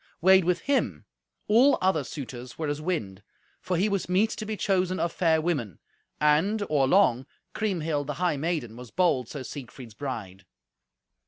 Weighed with him all other suitors were as wind, for he was meet to be chosen of fair women; and, or long, Kriemhild the high maiden was bold Sir Siegfried's bride.